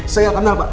saya gak tau mbak